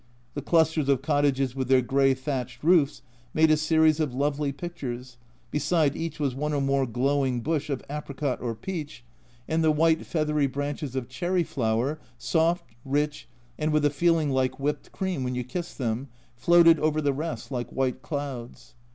The clusters of cottages with their grey thatched roofs made a series of lovely pictures, beside each was one or more glowing bush of apricot or peach, and A Journal from Japan 131 the white feathery branches of cherry flower, soft, rich, and with a feeling like whipped cream when you kissed them, floated over the rest like white clouds.